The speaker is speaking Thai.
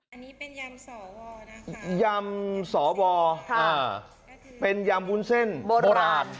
อันนี้เป็นยำสอวอร์นะคะยำสอวอร์ค่ะเป็นยำวุ้นเส้นโบราณ